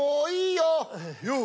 よう！